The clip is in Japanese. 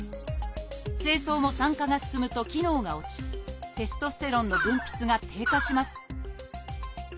精巣も酸化が進むと機能が落ちテストステロンの分泌が低下します。